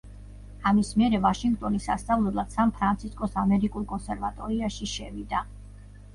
ამის მერე ვაშინგტონი სასწავლებლად სან-ფრანცისკოს ამერიკულ კონსერვატორიაში შევიდა.